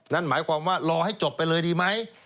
นั่นหมายความว่ารอให้จบไปเลยดีไหม